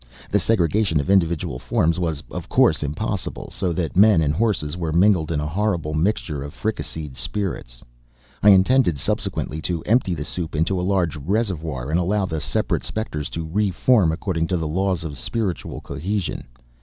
The segregation of individual forms was, of course, impossible, so that men and horses were mingled in a horrible mixture of fricasseed spirits. I intended subsequently to empty the soup into a large reservoir and allow the separate specters to reform according to the laws of spiritual cohesion.